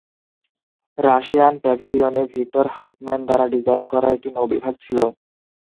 Russian প্যাভিলিয়নে Victor Hartmann দ্বারা design করা একটি নৌ বিভাগ ছিল।